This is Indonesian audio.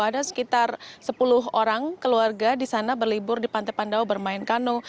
ada sekitar sepuluh orang keluarga di sana berlibur di pantai pandawa bermain kano